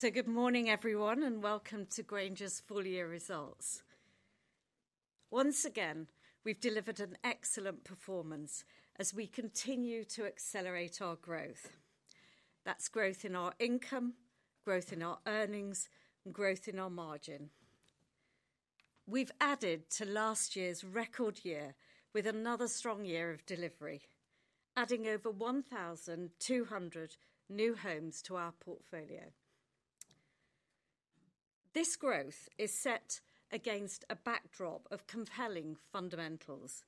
Good morning, everyone, and welcome to Grainger's full year results. Once again, we've delivered an excellent performance as we continue to accelerate our growth. That's growth in our income, growth in our earnings, and growth in our margin. We've added to last year's record year with another strong year of delivery, adding over 1,200 new homes to our portfolio. This growth is set against a backdrop of compelling fundamentals,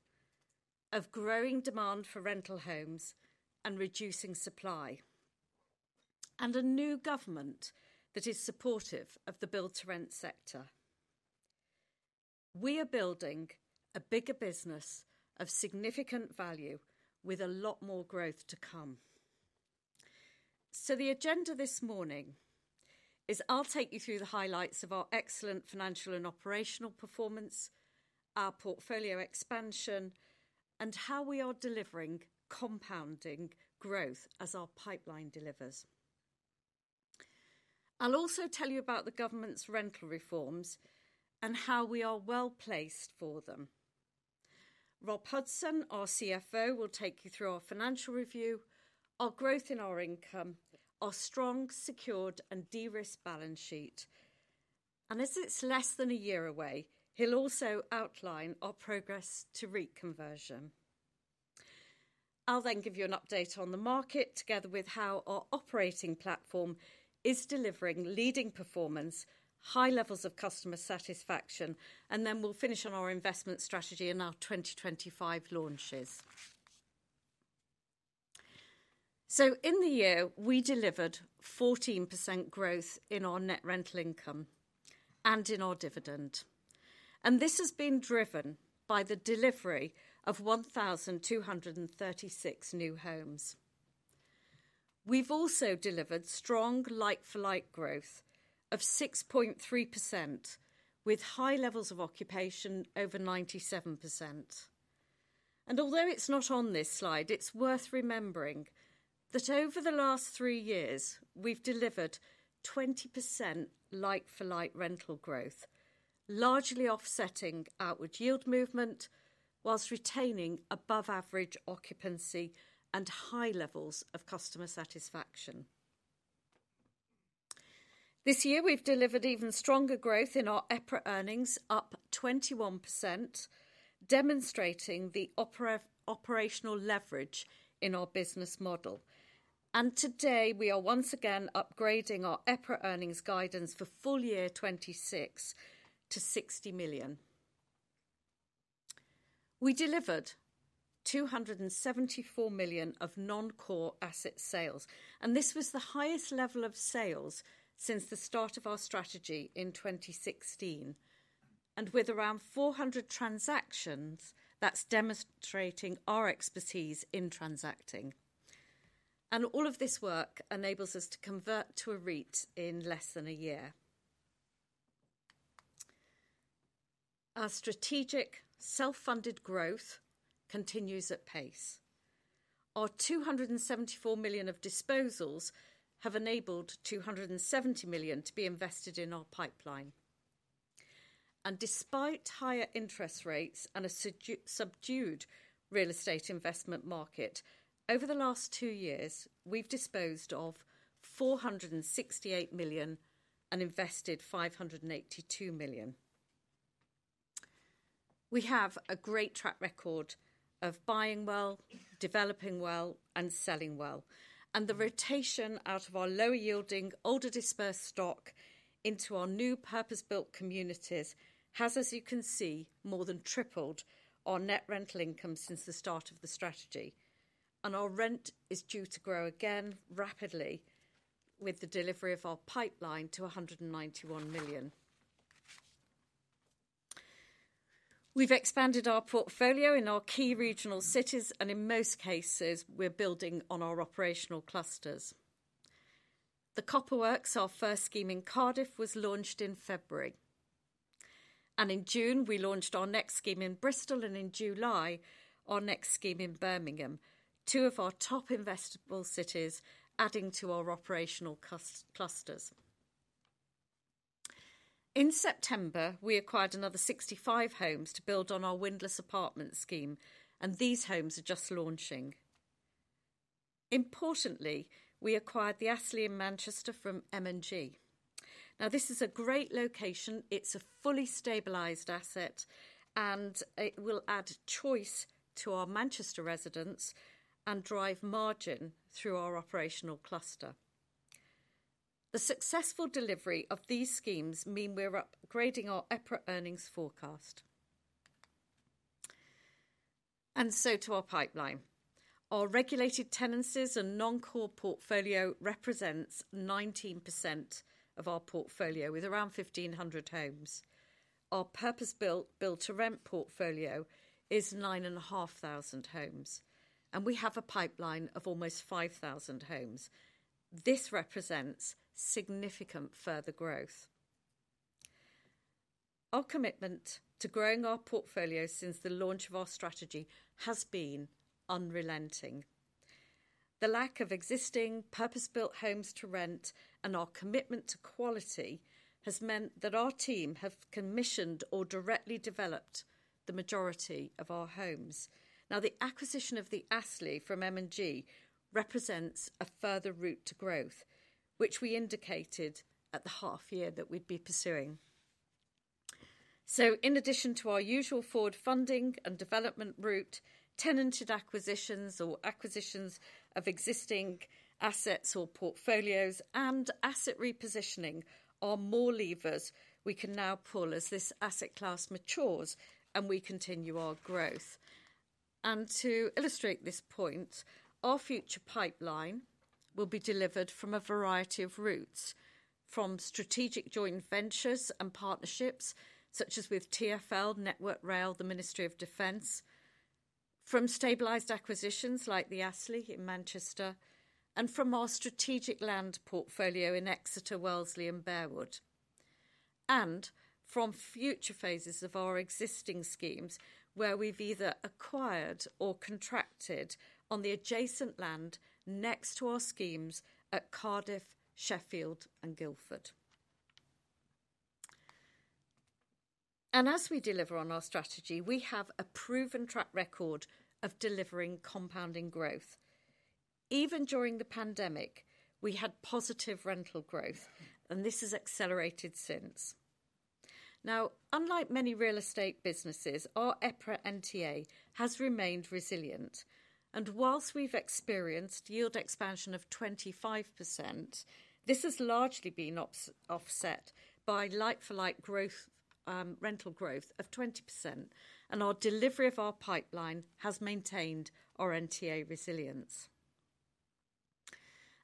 of growing demand for rental homes and reducing supply, and a new government that is supportive of the build-to-rent sector. We are building a bigger business of significant value with a lot more growth to come. The agenda this morning is I'll take you through the highlights of our excellent financial and operational performance, our portfolio expansion, and how we are delivering compounding growth as our pipeline delivers. I'll also tell you about the government's rental reforms and how we are well placed for them. Rob Hudson, our CFO, will take you through our financial review, our growth in our income, our strong, secured, and de-risked balance sheet. And as it's less than a year away, he'll also outline our progress to reconversion. I'll then give you an update on the market together with how our operating platform is delivering leading performance, high levels of customer satisfaction, and then we'll finish on our investment strategy and our 2025 launches. So in the year, we delivered 14% growth in our net rental income and in our dividend. And this has been driven by the delivery of 1,236 new homes. We've also delivered strong like-for-like growth of 6.3% with high levels of occupation over 97%. Although it's not on this slide, it's worth remembering that over the last three years, we've delivered 20% like-for-like rental growth, largely offsetting outward yield movement while retaining above-average occupancy and high levels of customer satisfaction. This year, we've delivered even stronger growth in our EPRA earnings, up 21%, demonstrating the operational leverage in our business model. Today, we are once again upgrading our EPRA earnings guidance for full year 2026 to 60 million. We delivered 274 million of non-core asset sales, and this was the highest level of sales since the start of our strategy in 2016, and with around 400 transactions, that's demonstrating our expertise in transacting. All of this work enables us to convert to a REIT in less than a year. Our strategic self-funded growth continues at pace. Our 274 million of disposals have enabled 270 million to be invested in our pipeline. Despite higher interest rates and a subdued real estate investment market, over the last two years, we've disposed of 468 million and invested 582 million. We have a great track record of buying well, developing well, and selling well. The rotation out of our lower-yielding, older-dispersed stock into our new purpose-built communities has, as you can see, more than tripled our net rental income since the start of the strategy. Our rent is due to grow again rapidly with the delivery of our pipeline to 191 million. We've expanded our portfolio in our key regional cities, and in most cases, we're building on our operational clusters. The Copperworks, our first scheme in Cardiff, was launched in February. In June, we launched our next scheme in Bristol, and in July, our next scheme in Birmingham, two of our top investable cities adding to our operational clusters. In September, we acquired another 65 homes to build on our Windlass Apartments scheme, and these homes are just launching. Importantly, we acquired The Astley in Manchester from M&G. Now, this is a great location. It's a fully stabilized asset, and it will add choice to our Manchester residents and drive margin through our operational cluster. The successful delivery of these schemes means we're upgrading our EPRA earnings forecast. And so to our pipeline. Our regulated tenancies and non-core portfolio represents 19% of our portfolio with around 1,500 homes. Our purpose-built build-to-rent portfolio is 9,500 homes, and we have a pipeline of almost 5,000 homes. This represents significant further growth. Our commitment to growing our portfolio since the launch of our strategy has been unrelenting. The lack of existing purpose-built homes to rent and our commitment to quality has meant that our team have commissioned or directly developed the majority of our homes. Now, the acquisition of The Astley from M&G represents a further route to growth, which we indicated at the half year that we'd be pursuing. So in addition to our usual forward funding and development route, tenanted acquisitions or acquisitions of existing assets or portfolios and asset repositioning are more levers we can now pull as this asset class matures and we continue our growth. And to illustrate this point, our future pipeline will be delivered from a variety of routes, from strategic joint ventures and partnerships, such as with TfL, Network Rail, the Ministry of Defence, from stabilized acquisitions like The Astley in Manchester, and from our strategic land portfolio in Exeter, Wellesley, and Berewood, and from future phases of our existing schemes where we've either acquired or contracted on the adjacent land next to our schemes at Cardiff, Sheffield, and Guildford. And as we deliver on our strategy, we have a proven track record of delivering compounding growth. Even during the pandemic, we had positive rental growth, and this has accelerated since. Now, unlike many real estate businesses, our EPRA NTA has remained resilient. Whilst we've experienced yield expansion of 25%, this has largely been offset by like-for-like rental growth of 20%, and our delivery of our pipeline has maintained our NTA resilience.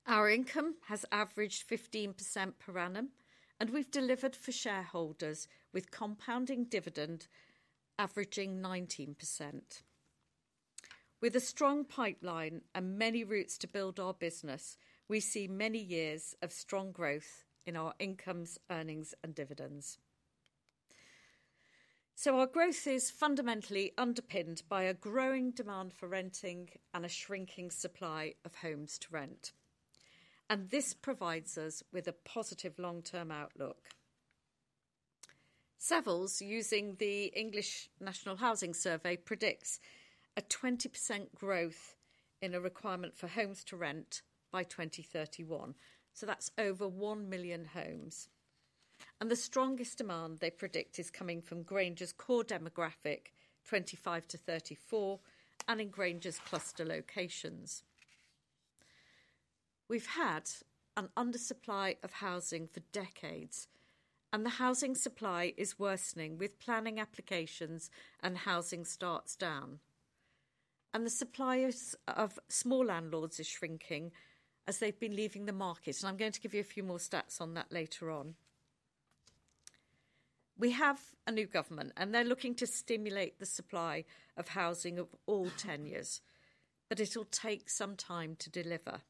Our income has averaged 15% per annum, and we've delivered for shareholders with compounding dividend averaging 19%. With a strong pipeline and many routes to build our business, we see many years of strong growth in our incomes, earnings, and dividends. Our growth is fundamentally underpinned by a growing demand for renting and a shrinking supply of homes to rent. This provides us with a positive long-term outlook. Savills, using the English National Housing Survey, predicts a 20% growth in a requirement for homes to rent by 2031. That's over one million homes. The strongest demand they predict is coming from Grainger's core demographic, 25 to 34, and in Grainger's cluster locations. We've had an undersupply of housing for decades, and the housing supply is worsening with planning applications and housing starts down. And the supply of small landlords is shrinking as they've been leaving the market. And I'm going to give you a few more stats on that later on. We have a new government, and they're looking to stimulate the supply of housing of all tenures, but it'll take some time to deliver.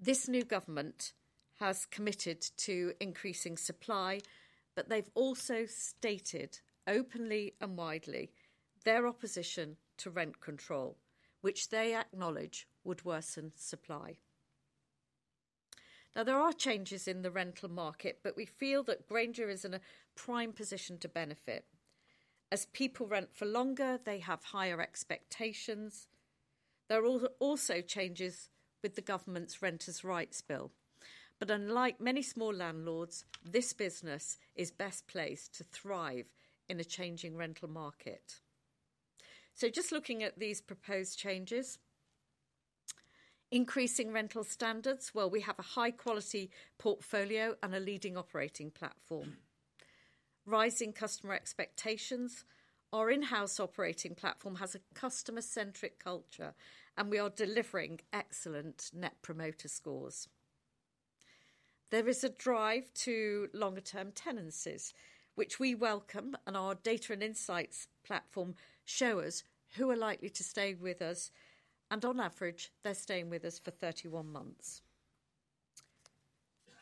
This new government has committed to increasing supply, but they've also stated openly and widely their opposition to rent control, which they acknowledge would worsen supply. Now, there are changes in the rental market, but we feel that Grainger is in a prime position to benefit. As people rent for longer, they have higher expectations. There are also changes with the government's Renters’ Rights Bill. But unlike many small landlords, this business is best placed to thrive in a changing rental market. So just looking at these proposed changes, increasing rental standards, well, we have a high-quality portfolio and a leading operating platform. Rising customer expectations. Our in-house operating platform has a customer-centric culture, and we are delivering excellent net promoter scores. There is a drive to longer-term tenancies, which we welcome, and our data and insights platform show us who are likely to stay with us. And on average, they're staying with us for 31 months.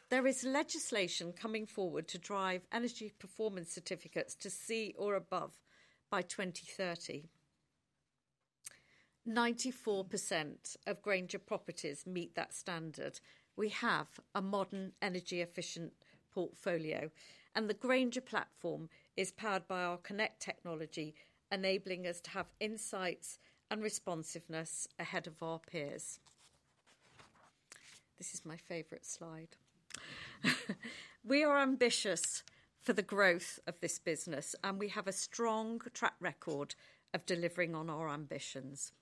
There is legislation coming forward to drive energy performance certificates to C or above by 2030. 94% of Grainger properties meet that standard. We have a modern energy-efficient portfolio, and the Grainger platform is powered by our Connect technology, enabling us to have insights and responsiveness ahead of our peers. This is my favorite slide. We are ambitious for the growth of this business, and we have a strong track record of delivering on our ambitions.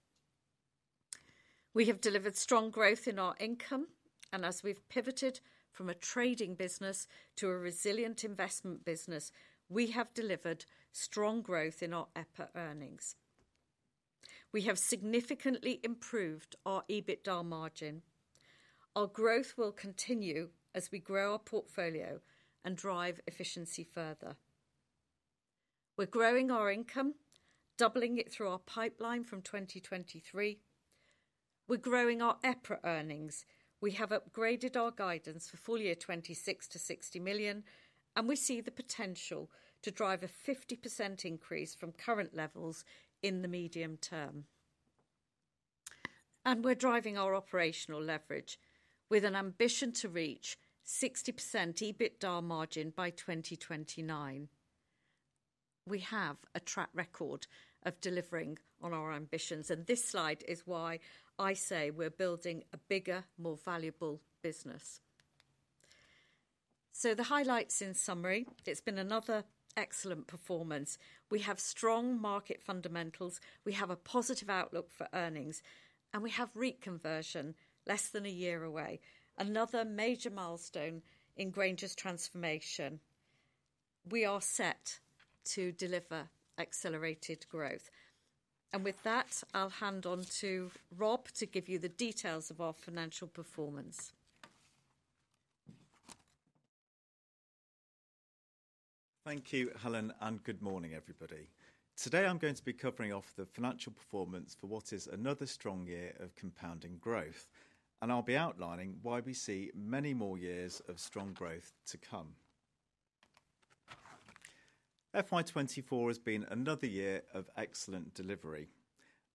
We have delivered strong growth in our income, and as we've pivoted from a trading business to a resilient investment business, we have delivered strong growth in our EPRA earnings. We have significantly improved our EBITDA margin. Our growth will continue as we grow our portfolio and drive efficiency further. We're growing our income, doubling it through our pipeline from 2023. We're growing our EPRA earnings. We have upgraded our guidance for full year 2026 to 60 million, and we see the potential to drive a 50% increase from current levels in the medium term, and we're driving our operational leverage with an ambition to reach 60% EBITDA margin by 2029. We have a track record of delivering on our ambitions, and this slide is why I say we're building a bigger, more valuable business. So the highlights in summary, it's been another excellent performance. We have strong market fundamentals. We have a positive outlook for earnings, and we have REIT conversion less than a year away, another major milestone in Grainger's transformation. We are set to deliver accelerated growth. And with that, I'll hand over to Rob to give you the details of our financial performance. Thank you, Helen, and good morning, everybody. Today, I'm going to be covering off the financial performance for what is another strong year of compounding growth, and I'll be outlining why we see many more years of strong growth to come. FY24 has been another year of excellent delivery.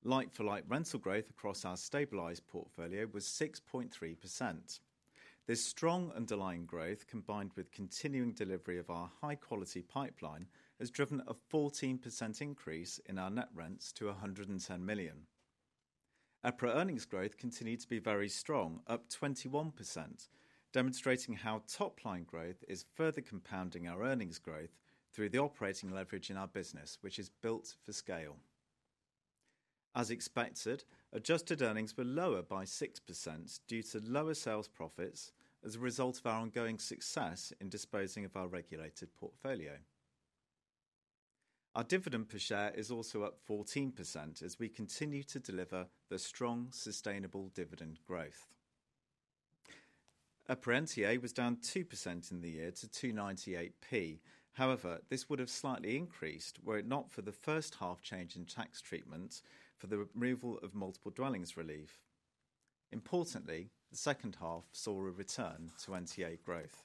Like-for-like rental growth across our stabilized portfolio was 6.3%. This strong underlying growth, combined with continuing delivery of our high-quality pipeline, has driven a 14% increase in our net rents to 110 million. EPRA earnings growth continued to be very strong, up 21%, demonstrating how top-line growth is further compounding our earnings growth through the operating leverage in our business, which is built for scale. As expected, adjusted earnings were lower by 6% due to lower sales profits as a result of our ongoing success in disposing of our regulated portfolio. Our dividend per share is also up 14% as we continue to deliver the strong, sustainable dividend growth. EPRA NTA was down 2% in the year to 298p. However, this would have slightly increased were it not for the first half change in tax treatment for the removal of multiple dwellings relief. Importantly, the second half saw a return to NTA growth.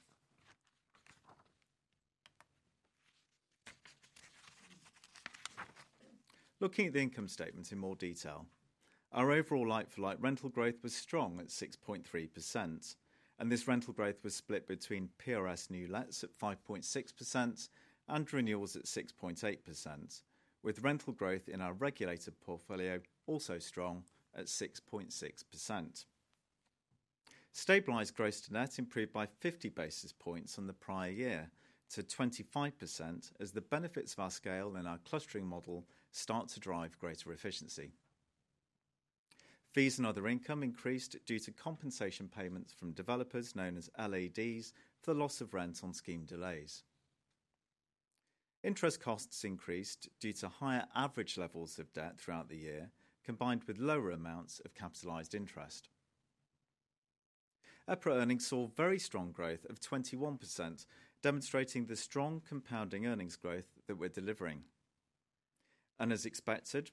Looking at the income statements in more detail, our overall Like-for-Like rental growth was strong at 6.3%, and this rental growth was split between PRS new lets at 5.6% and renewals at 6.8%, with rental growth in our regulated portfolio also strong at 6.6%. Stabilized gross-to-net improved by 50 basis points on the prior year to 25% as the benefits of our scale and our clustering model start to drive greater efficiency. Fees and other income increased due to compensation payments from developers known as LADs for the loss of rent on scheme delays. Interest costs increased due to higher average levels of debt throughout the year, combined with lower amounts of capitalized interest. EPRA Earnings saw very strong growth of 21%, demonstrating the strong compounding earnings growth that we're delivering.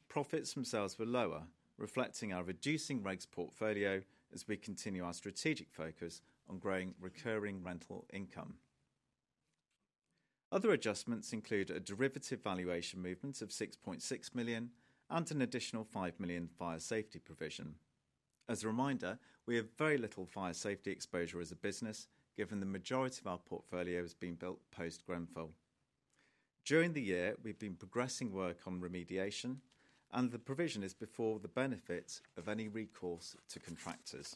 Profits from sales were lower, reflecting our reducing Regs portfolio as we continue our strategic focus on growing recurring rental income. Other adjustments include a derivative valuation movement of 6.6 million and an additional 5 million fire safety provision. As a reminder, we have very little fire safety exposure as a business, given the majority of our portfolio has been built post-Grenfell. During the year, we've been progressing work on remediation, and the provision is before the benefits of any recourse to contractors.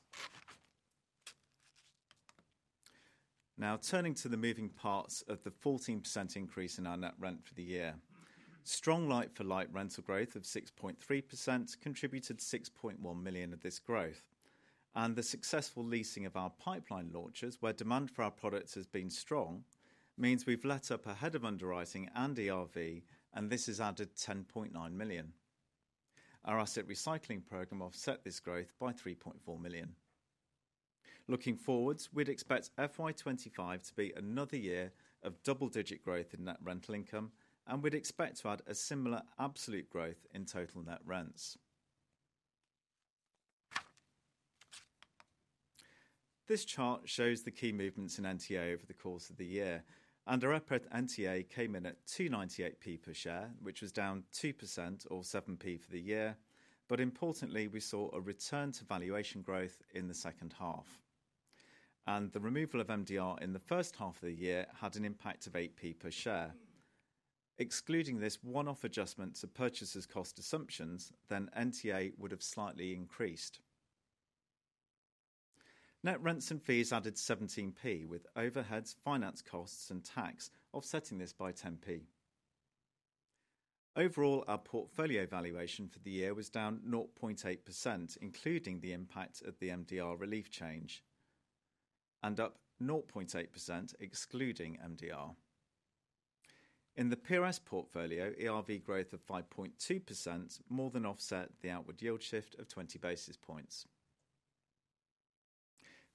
Now, turning to the moving parts of the 14% increase in our net rent for the year, strong like-for-like rental growth of 6.3% contributed 6.1 million of this growth. The successful leasing of our pipeline launches, where demand for our products has been strong, means we've let up ahead of underwriting and ERV, and this has added 10.9 million. Our asset recycling program offset this growth by 3.4 million. Looking forwards, we'd expect FY25 to be another year of double-digit growth in net rental income, and we'd expect to add a similar absolute growth in total net rents. This chart shows the key movements in NTA over the course of the year, and our EPRA NTA came in at 298p per share, which was down 2% or 7p for the year, but importantly, we saw a return to valuation growth in the second half, and the removal of MDR in the first half of the year had an impact of 8p per share. Excluding this one-off adjustment to purchaser's cost assumptions, then NTA would have slightly increased. Net rents and fees added 17p, with overheads, finance costs, and tax offsetting this by 10p. Overall, our portfolio valuation for the year was down 0.8%, including the impact of the MDR relief change, and up 0.8%, excluding MDR. In the PRS portfolio, ERV growth of 5.2% more than offset the outward yield shift of 20 basis points.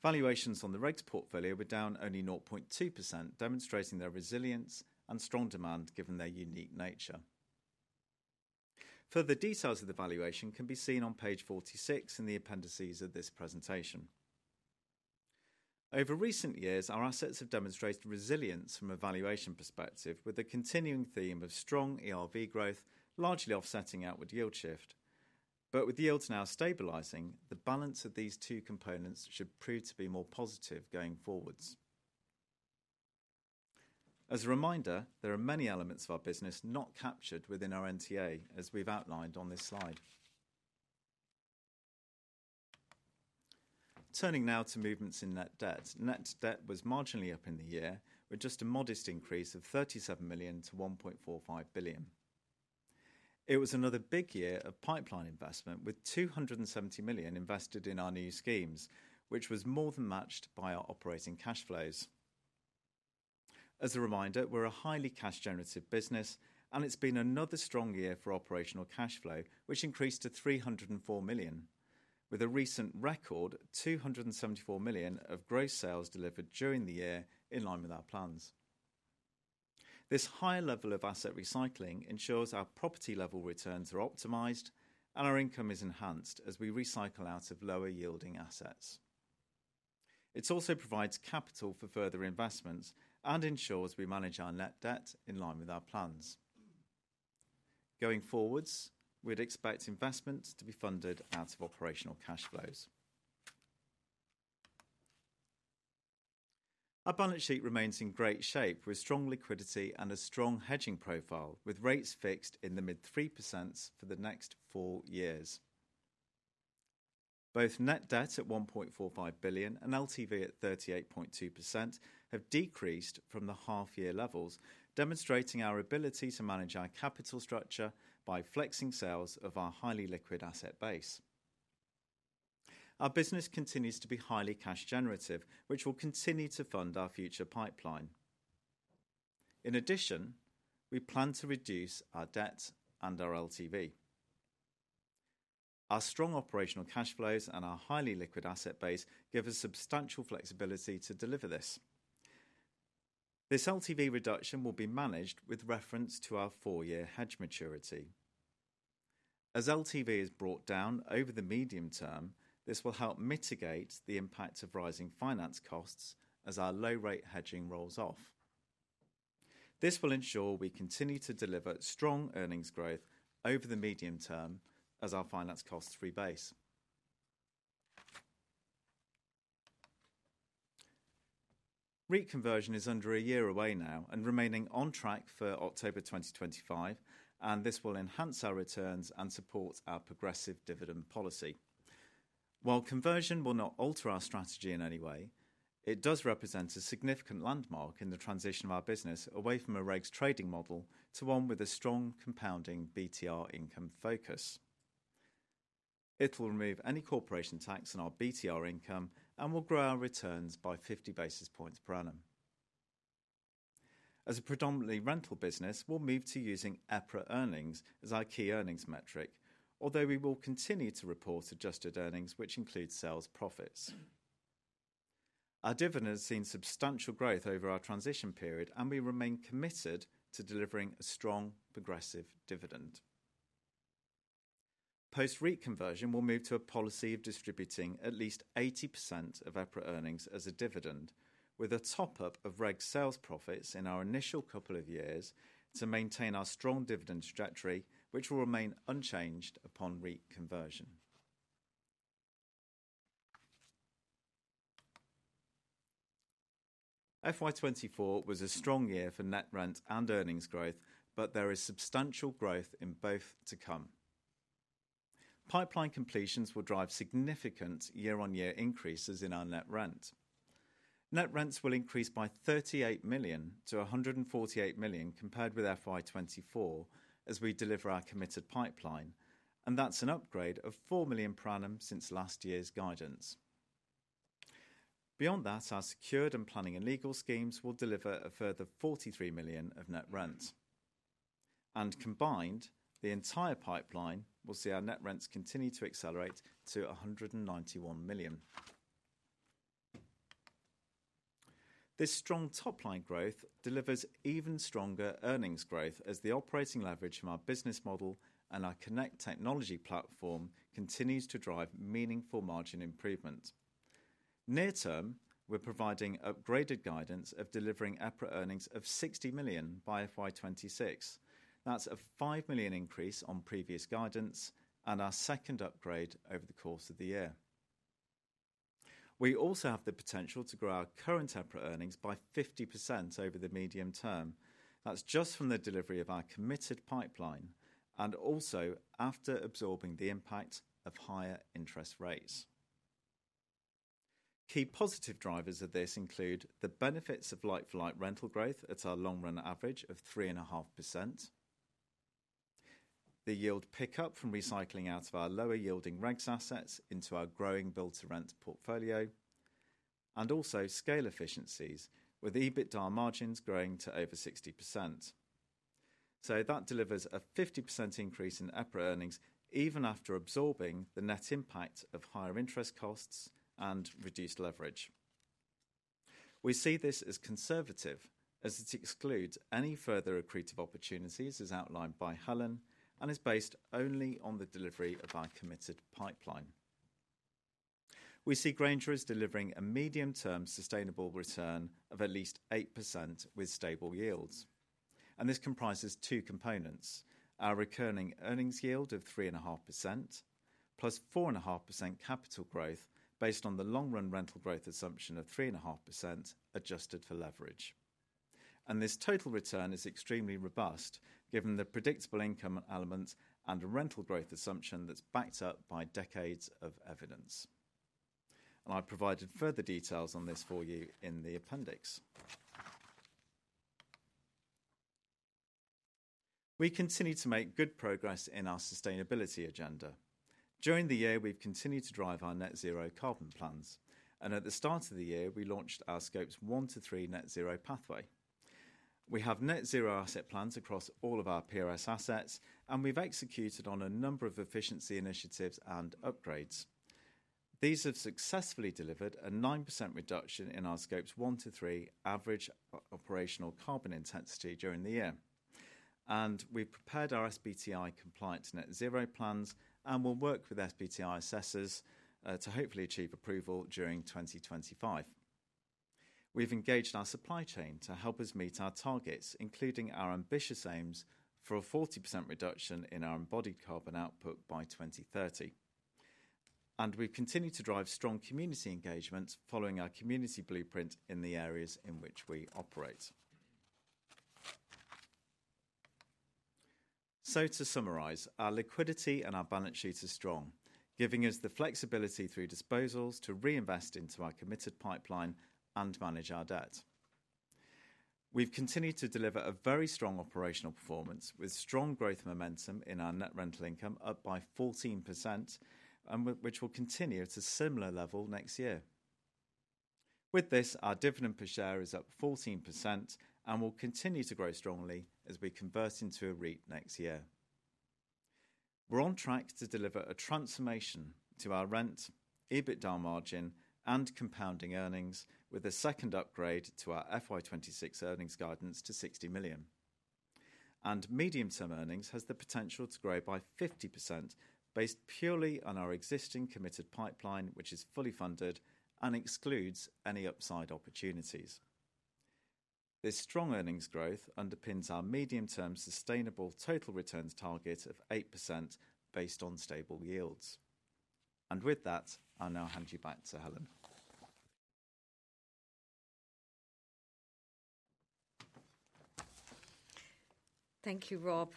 Valuations on the regs portfolio were down only 0.2%, demonstrating their resilience and strong demand given their unique nature. Further details of the valuation can be seen on page 46 in the appendices of this presentation. Over recent years, our assets have demonstrated resilience from a valuation perspective, with the continuing theme of strong ERV growth largely offsetting outward yield shift. But with yields now stabilizing, the balance of these two components should prove to be more positive going forwards. As a reminder, there are many elements of our business not captured within our NTA, as we've outlined on this slide. Turning now to movements in net debt, net debt was marginally up in the year, with just a modest increase of 37 million to 1.45 billion. It was another big year of pipeline investment, with 270 million invested in our new schemes, which was more than matched by our operating cash flows. As a reminder, we're a highly cash-generative business, and it's been another strong year for operational cash flow, which increased to 304 million, with a recent record, 274 million of gross sales delivered during the year in line with our plans. This higher level of asset recycling ensures our property-level returns are optimized and our income is enhanced as we recycle out of lower-yielding assets. It also provides capital for further investments and ensures we manage our net debt in line with our plans. Going forwards, we'd expect investments to be funded out of operational cash flows. Our balance sheet remains in great shape with strong liquidity and a strong hedging profile, with rates fixed in the mid-3% for the next four years. Both net debt at 1.45 billion and LTV at 38.2% have decreased from the half-year levels, demonstrating our ability to manage our capital structure by flexing sales of our highly liquid asset base. Our business continues to be highly cash-generative, which will continue to fund our future pipeline. In addition, we plan to reduce our debt and our LTV. Our strong operational cash flows and our highly liquid asset base give us substantial flexibility to deliver this. This LTV reduction will be managed with reference to our four-year hedge maturity. As LTV is brought down over the medium term, this will help mitigate the impact of rising finance costs as our low-rate hedging rolls off. This will ensure we continue to deliver strong earnings growth over the medium term as our finance costs rebase. REIT conversion is under a year away now and remaining on track for October 2025, and this will enhance our returns and support our progressive dividend policy. While conversion will not alter our strategy in any way, it does represent a significant landmark in the transition of our business away from a regs trading model to one with a strong compounding BTR income focus. It will remove any corporation tax on our BTR income and will grow our returns by 50 basis points per annum. As a predominantly rental business, we'll move to using EPRA earnings as our key earnings metric, although we will continue to report adjusted earnings, which include sales profits. Our dividend has seen substantial growth over our transition period, and we remain committed to delivering a strong, progressive dividend. Post-REIT conversion, we'll move to a policy of distributing at least 80% of EPRA earnings as a dividend, with a top-up of regs sales profits in our initial couple of years to maintain our strong dividend trajectory, which will remain unchanged upon REIT conversion. FY24 was a strong year for net rent and earnings growth, but there is substantial growth in both to come. Pipeline completions will drive significant year-on-year increases in our net rent. Net rents will increase by 38 million to 148 million compared with FY24 as we deliver our committed pipeline, and that's an upgrade of 4 million per annum since last year's guidance. Beyond that, our secured and planning and legal schemes will deliver a further 43 million of net rent. Combined, the entire pipeline will see our net rents continue to accelerate to 191 million. This strong top-line growth delivers even stronger earnings growth as the operating leverage from our business model and our Connect technology platform continues to drive meaningful margin improvement. Near term, we're providing upgraded guidance of delivering EPRA Earnings of 60 million by FY26. That's a 5 million increase on previous guidance and our second upgrade over the course of the year. We also have the potential to grow our current EPRA Earnings by 50% over the medium term. That's just from the delivery of our committed pipeline and also after absorbing the impact of higher interest rates. Key positive drivers of this include the benefits of like-for-like rental growth at our long-run average of 3.5%, the yield pickup from recycling out of our lower-yielding regs assets into our growing build-to-rent portfolio, and also scale efficiencies with EBITDA margins growing to over 60%. So that delivers a 50% increase in EPRA earnings even after absorbing the net impact of higher interest costs and reduced leverage. We see this as conservative as it excludes any further accretive opportunities as outlined by Helen and is based only on the delivery of our committed pipeline. We see Grainger is delivering a medium-term sustainable return of at least 8% with stable yields, and this comprises two components: our recurring earnings yield of 3.5%, plus 4.5% capital growth based on the long-run rental growth assumption of 3.5% adjusted for leverage. This total return is extremely robust, given the predictable income elements and a rental growth assumption that's backed up by decades of evidence. I've provided further details on this for you in the appendix. We continue to make good progress in our sustainability agenda. During the year, we've continued to drive our net zero carbon plans. At the start of the year, we launched our Scopes 1 to 3 net zero pathway. We have net zero asset plans across all of our PRS assets, and we've executed on a number of efficiency initiatives and upgrades. These have successfully delivered a 9% reduction in our Scopes 1 to 3 average operational carbon intensity during the year. We've prepared our SBTi compliant net zero plans and will work with SBTi assessors to hopefully achieve approval during 2025. We've engaged our supply chain to help us meet our targets, including our ambitious aims for a 40% reduction in our embodied carbon output by 2030, and we've continued to drive strong community engagement following our community blueprint in the areas in which we operate, so to summarize, our liquidity and our balance sheet are strong, giving us the flexibility through disposals to reinvest into our committed pipeline and manage our debt. We've continued to deliver a very strong operational performance with strong growth momentum in our net rental income up by 14%, and which will continue at a similar level next year. With this, our dividend per share is up 14% and will continue to grow strongly as we convert into a REIT next year. We're on track to deliver a transformation to our rent, EBITDA margin, and compounding earnings with a second upgrade to our FY26 earnings guidance to 60 million, and medium-term earnings has the potential to grow by 50% based purely on our existing committed pipeline, which is fully funded and excludes any upside opportunities. This strong earnings growth underpins our medium-term sustainable total returns target of 8% based on stable yields, and with that, I'll now hand you back to Helen. Thank you, Rob.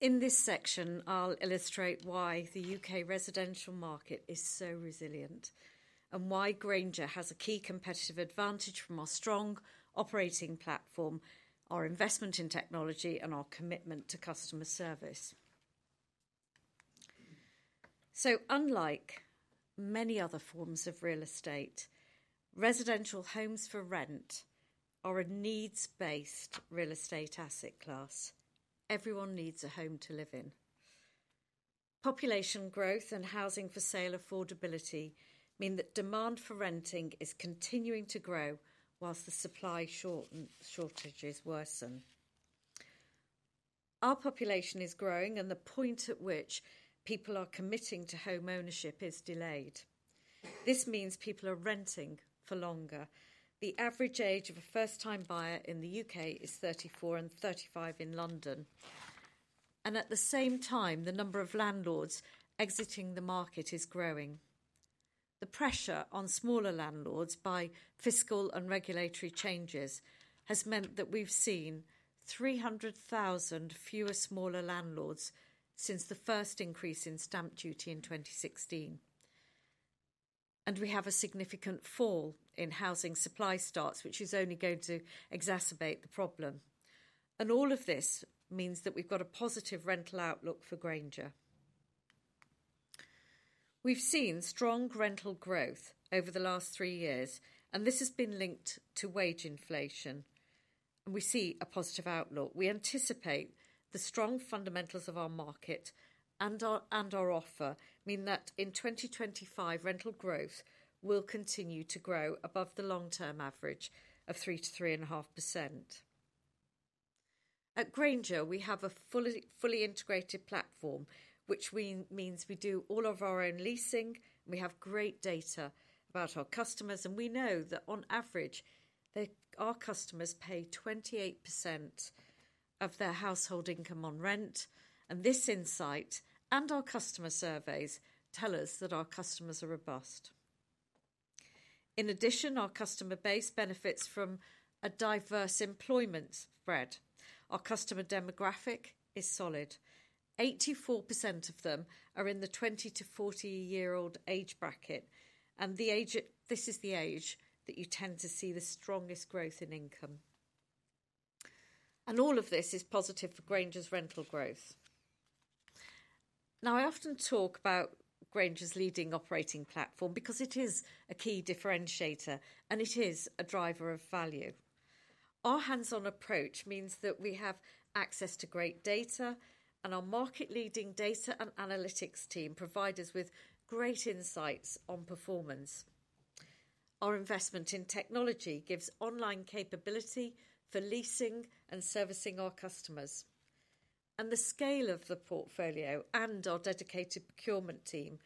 In this section, I'll illustrate why the U.K. residential market is so resilient and why Grainger has a key competitive advantage from our strong operating platform, our investment in technology, and our commitment to customer service, so unlike many other forms of real estate, residential homes for rent are a needs-based real estate asset class. Everyone needs a home to live in. Population growth and housing for sale affordability mean that demand for renting is continuing to grow while the supply shortages worsen. Our population is growing, and the point at which people are committing to home ownership is delayed. This means people are renting for longer. The average age of a first-time buyer in the U.K. is 34 and 35 in London. And at the same time, the number of landlords exiting the market is growing. The pressure on smaller landlords by fiscal and regulatory changes has meant that we've seen 300,000 fewer smaller landlords since the first increase in stamp duty in 2016. And we have a significant fall in housing supply starts, which is only going to exacerbate the problem. And all of this means that we've got a positive rental outlook for Grainger. We've seen strong rental growth over the last three years, and this has been linked to wage inflation, and we see a positive outlook. We anticipate the strong fundamentals of our market and our offer mean that in 2025, rental growth will continue to grow above the long-term average of 3%-3.5%. At Grainger, we have a fully integrated platform, which means we do all of our own leasing. We have great data about our customers, and we know that on average, our customers pay 28% of their household income on rent, and this insight and our customer surveys tell us that our customers are robust. In addition, our customer base benefits from a diverse employment spread. Our customer demographic is solid. 84% of them are in the 20- to 40-year-old age bracket, and this is the age that you tend to see the strongest growth in income. And all of this is positive for Grainger's rental growth. Now, I often talk about Grainger's leading operating platform because it is a key differentiator, and it is a driver of value. Our hands-on approach means that we have access to great data, and our market-leading data and analytics team provide us with great insights on performance. Our investment in technology gives online capability for leasing and servicing our customers. And the scale of the portfolio and our dedicated procurement team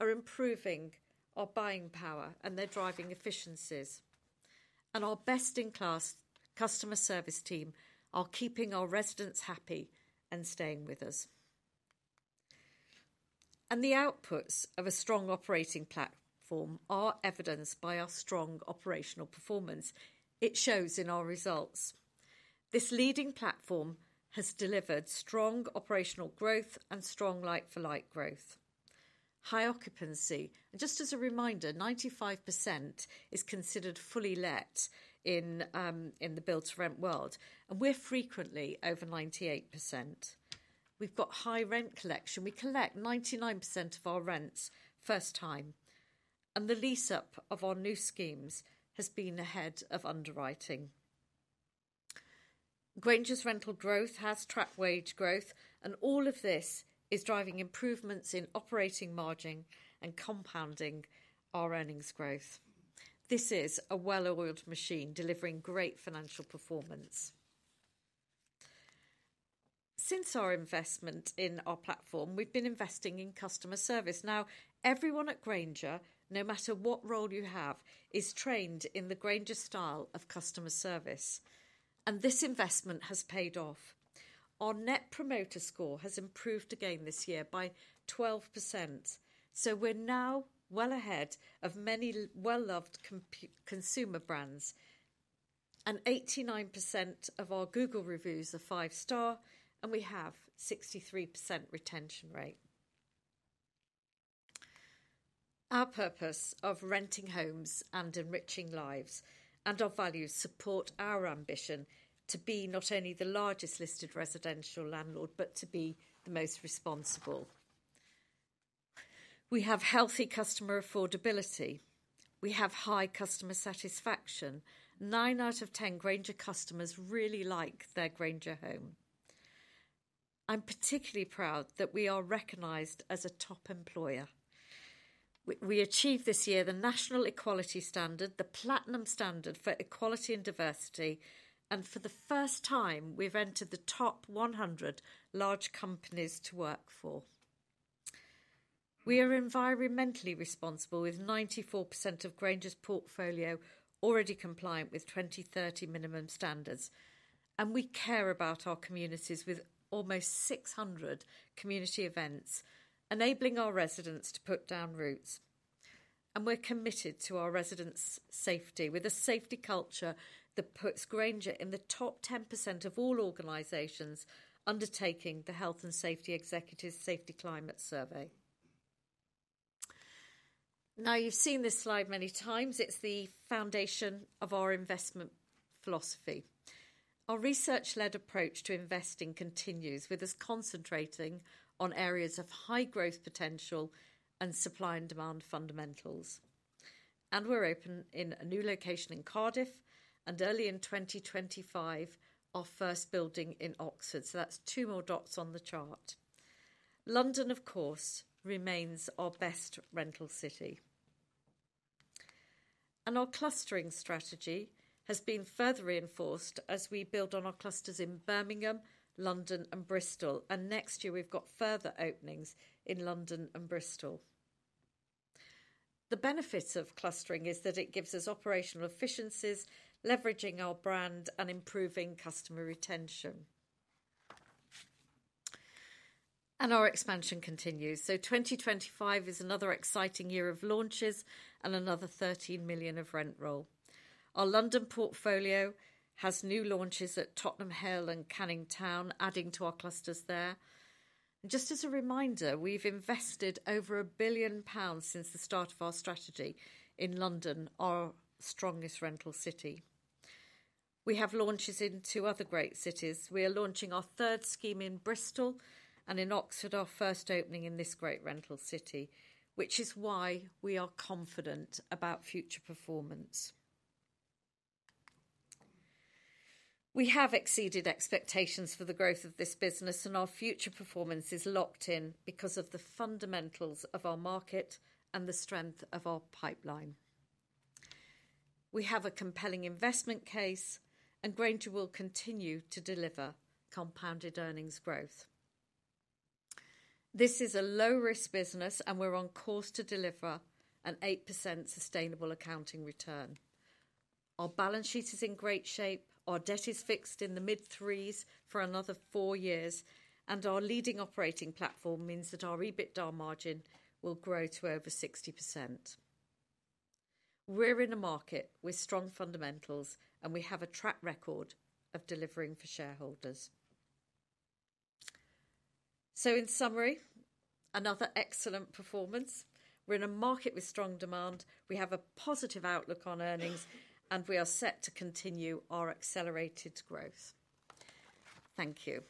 are improving our buying power, and they're driving efficiencies. And our best-in-class customer service team are keeping our residents happy and staying with us. And the outputs of a strong operating platform are evidenced by our strong operational performance. It shows in our results. This leading platform has delivered strong operational growth and strong like-for-like growth. High occupancy. Just as a reminder, 95% is considered fully let in the build-to-rent world, and we're frequently over 98%. We've got high rent collection. We collect 99% of our rents first time. The lease-up of our new schemes has been ahead of underwriting. Grainger's rental growth has tracked wage growth, and all of this is driving improvements in operating margin and compounding our earnings growth. This is a well-oiled machine delivering great financial performance. Since our investment in our platform, we've been investing in customer service. Now, everyone at Grainger, no matter what role you have, is trained in the Grainger style of customer service. This investment has paid off. Our Net Promoter Score has improved again this year by 12%. We're now well ahead of many well-loved consumer brands. 89% of our Google reviews are five-star, and we have a 63% retention rate. Our purpose of renting homes and enriching lives and our values support our ambition to be not only the largest listed residential landlord, but to be the most responsible. We have healthy customer affordability. We have high customer satisfaction. Nine out of ten Grainger customers really like their Grainger home. I'm particularly proud that we are recognized as a top employer. We achieved this year the National Equality Standard, the platinum standard for equality and diversity, and for the first time, we've entered the Top 100 Large Companies to Work For. We are environmentally responsible, with 94% of Grainger's portfolio already compliant with 2030 minimum standards, and we care about our communities with almost 600 community events enabling our residents to put down roots. We're committed to our residents' safety with a safety culture that puts Grainger in the top 10% of all organizations undertaking the Health and Safety Executive Safety Climate Survey. Now, you've seen this slide many times. It's the foundation of our investment philosophy. Our research-led approach to investing continues with us concentrating on areas of high growth potential and supply and demand fundamentals. And we're open in a new location in Cardiff, and early in 2025, our first building in Oxford. So that's two more dots on the chart. London, of course, remains our best rental city. And our clustering strategy has been further reinforced as we build on our clusters in Birmingham, London, and Bristol. And next year, we've got further openings in London and Bristol. The benefits of clustering is that it gives us operational efficiencies, leveraging our brand and improving customer retention. And our expansion continues. 2025 is another exciting year of launches and another £13 million of rent roll. Our London portfolio has new launches at Tottenham Hale and Canning Town, adding to our clusters there. Just as a reminder, we've invested over £1 billion since the start of our strategy in London, our strongest rental city. We have launches in two other great cities. We are launching our third scheme in Bristol and in Oxford, our first opening in this great rental city, which is why we are confident about future performance. We have exceeded expectations for the growth of this business, and our future performance is locked in because of the fundamentals of our market and the strength of our pipeline. We have a compelling investment case, and Grainger will continue to deliver compounded earnings growth. This is a low-risk business, and we're on course to deliver an 8% sustainable accounting return. Our balance sheet is in great shape. Our debt is fixed in the mid-threes for another four years, and our leading operating platform means that our EBITDA margin will grow to over 60%. We're in a market with strong fundamentals, and we have a track record of delivering for shareholders. So in summary, another excellent performance. We're in a market with strong demand. We have a positive outlook on earnings, and we are set to continue our accelerated growth. Thank you.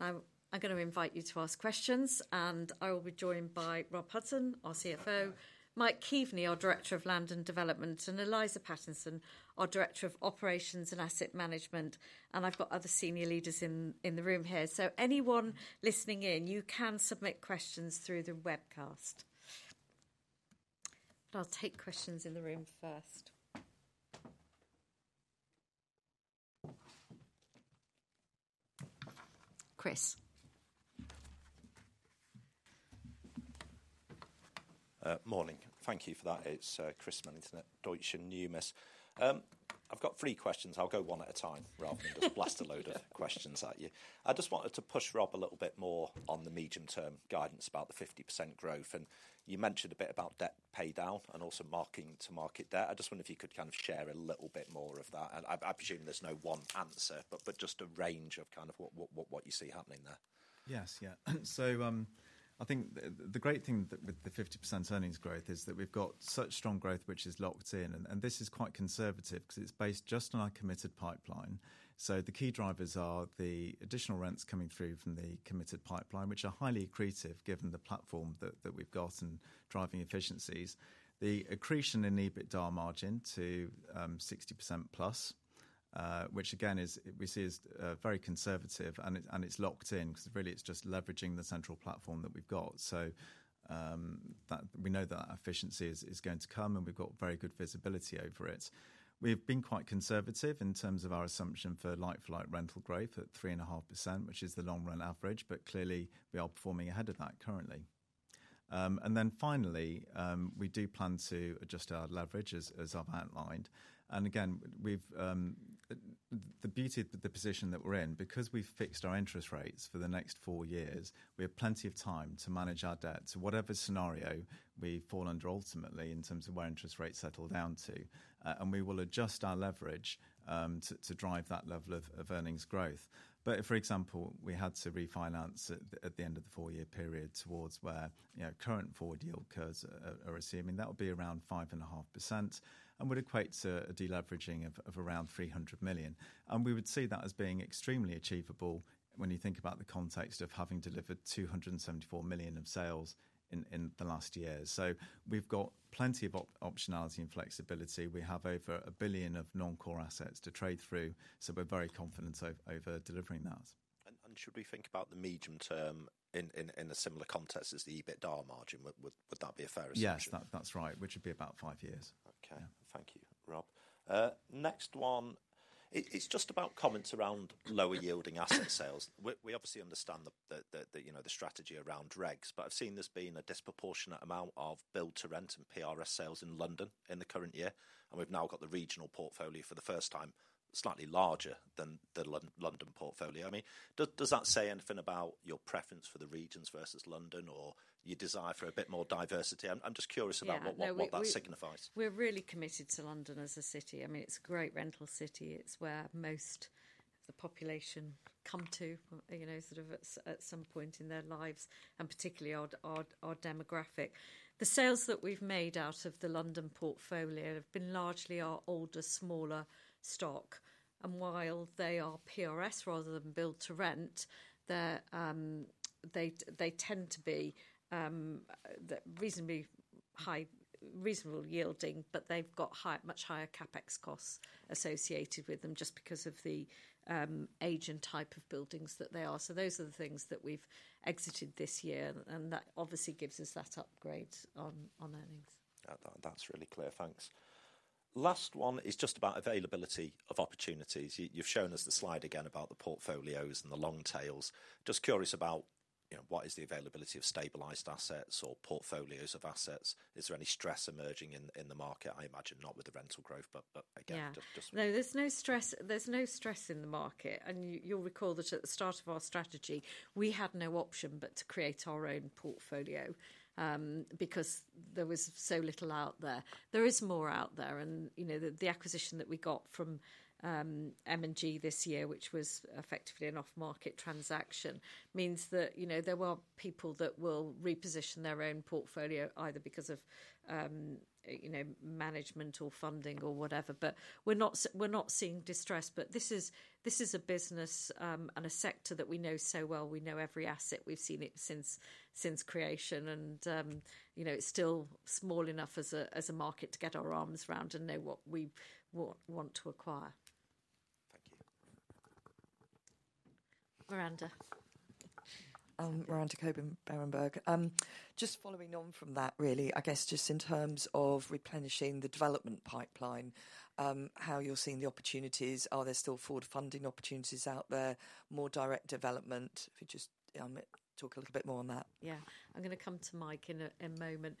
I'm going to invite you to ask questions, and I will be joined by Rob Hudson, our CFO, Mike Keaveney, our Director of Land and Development, and Eliza Pattinson, our Director of Operations and Asset Management, and I've got other senior leaders in the room here. So anyone listening in, you can submit questions through the webcast. But I'll take questions in the room first. Chris. Morning. Thank you for that. It's Chris Millington at Deutsche Numis. I've got three questions. I'll go one at a time rather than just blast a load of questions at you. I just wanted to push Rob a little bit more on the medium-term guidance about the 50% growth. And you mentioned a bit about debt paydown and also marking to market debt. I just wonder if you could kind of share a little bit more of that. And I presume there's no one answer, but just a range of kind of what you see happening there. Yes, yeah. So I think the great thing with the 50% earnings growth is that we've got such strong growth, which is locked in. This is quite conservative because it's based just on our committed pipeline. The key drivers are the additional rents coming through from the committed pipeline, which are highly accretive given the platform that we've got and driving efficiencies. The accretion in EBITDA margin to 60% plus, which again, we see is very conservative, and it's locked in because really it's just leveraging the central platform that we've got. We know that efficiency is going to come, and we've got very good visibility over it. We've been quite conservative in terms of our assumption for like-for-like rental growth at 3.5%, which is the long-run average, but clearly we are performing ahead of that currently. Then finally, we do plan to adjust our leverage as I've outlined. Again, the beauty of the position that we're in, because we've fixed our interest rates for the next four years, we have plenty of time to manage our debt to whatever scenario we fall under ultimately in terms of where interest rates settle down to. We will adjust our leverage to drive that level of earnings growth. For example, we had to refinance at the end of the four-year period towards where current forward yield curves are assuming. That would be around 5.5% and would equate to a deleveraging of around 300 million. We would see that as being extremely achievable when you think about the context of having delivered 274 million of sales in the last year. We've got plenty of optionality and flexibility. We have over 1 billion of non-core assets to trade through. We're very confident over delivering that. Should we think about the medium term in a similar context as the EBITDA margin, would that be a fair assumption? Yes, that's right, which would be about five years. Okay. Thank you, Rob. Next one. It's just about comments around lower yielding asset sales. We obviously understand the strategy around regs, but I've seen there's been a disproportionate amount of build-to-rent and PRS sales in London in the current year. And we've now got the regional portfolio for the first time slightly larger than the London portfolio. I mean, does that say anything about your preference for the regions versus London or your desire for a bit more diversity? I'm just curious about what that signifies. We're really committed to London as a city. I mean, it's a great rental city. It's where most of the population come to sort of at some point in their lives and particularly our demographic. The sales that we've made out of the London portfolio have been largely our older, smaller stock. And while they are PRS rather than build-to-rent, they tend to be reasonably high, reasonable yielding, but they've got much higher CapEx costs associated with them just because of the age and type of buildings that they are. So those are the things that we've exited this year, and that obviously gives us that upgrade on earnings. That's really clear. Thanks. Last one is just about availability of opportunities. You've shown us the slide again about the portfolios and the long tails. Just curious about what is the availability of stabilized assets or portfolios of assets? Is there any stress emerging in the market? I imagine not with the rental growth, but again, just. No, there's no stress. There's no stress in the market. And you'll recall that at the start of our strategy, we had no option but to create our own portfolio because there was so little out there. There is more out there. And the acquisition that we got from M&G this year, which was effectively an off-market transaction, means that there were people that will reposition their own portfolio either because of management or funding or whatever. But we're not seeing distress. But this is a business and a sector that we know so well. We know every asset. We've seen it since creation, and it's still small enough as a market to get our arms around and know what we want to acquire. Thank you. Miranda Cockburn, Berenberg. Just following on from that, really, I guess just in terms of replenishing the development pipeline, how you're seeing the opportunities, are there still forward funding opportunities out there, more direct development? If you just talk a little bit more on that. Yeah. I'm going to come to Mike in a moment.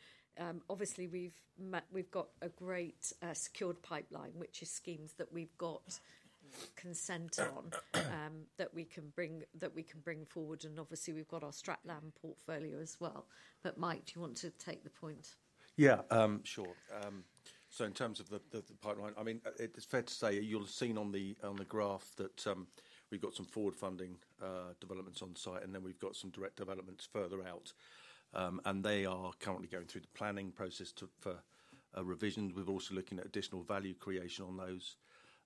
Obviously, we've got a great secured pipeline, which is schemes that we've got consent on that we can bring forward. And obviously, we've got our strategic land portfolio as well. But Mike, do you want to take the point? Yeah, sure. So in terms of the pipeline, I mean, it's fair to say you'll have seen on the graph that we've got some forward funding developments on site, and then we've got some direct developments further out. And they are currently going through the planning process for revisions. We're also looking at additional value creation on those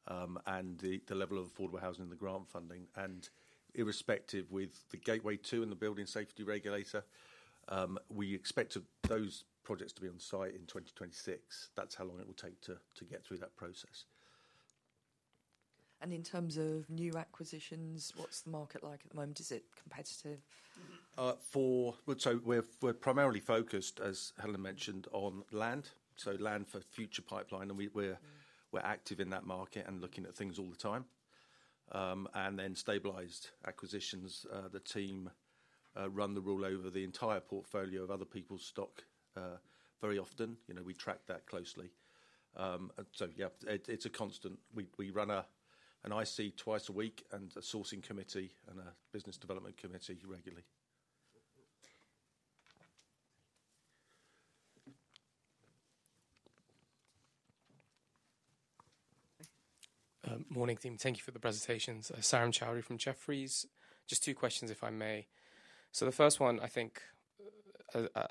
and the level of affordable housing and the grant funding. And irrespective with the Gateway 2 and the Building Safety Regulator, we expect those projects to be on site in 2026. That's how long it will take to get through that process. And in terms of new acquisitions, what's the market like at the moment? Is it competitive? So we're primarily focused, as Helen mentioned, on land. So land for future pipeline. And we're active in that market and looking at things all the time. And then stabilized acquisitions. The team run the rule over the entire portfolio of other people's stock very often. We track that closely. So yeah, it's a constant. We run an IC twice a week and a sourcing committee and a business development committee regularly. Morning, team. Thank you for the presentations. I'm Saurabh Chowdhury from Jefferies. Just two questions, if I may. So the first one, I think,